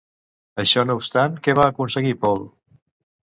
Això no obstant, què va aconseguir Paul?